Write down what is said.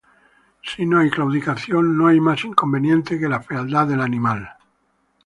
Si no hay claudicación, no hay más inconveniente que la fealdad del animal.